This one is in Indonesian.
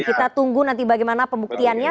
kita tunggu nanti bagaimana pembuktiannya